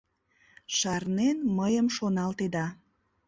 Шарнен мыйым шоналтеда...